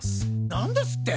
なんですって！？